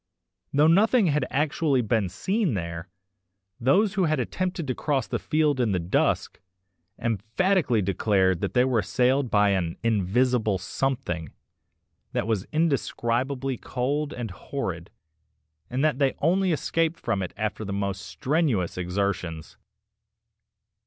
Though nothing had been actually seen there, those who had attempted to cross the field in the dusk emphatically declared they were assailed by an "invisible something" that was indescribably cold and horrid, and that they only escaped from it after the most strenuous exertions.